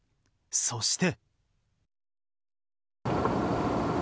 そして。